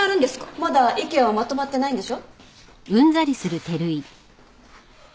まだ意見はまとまってないんでしょ？